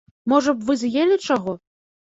Можа б, вы з'елі чаго?